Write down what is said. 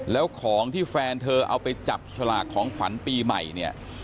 แล้วของที่แฟนเธอเอาไปจับสลากของขวัญปีใหม่เนี่ย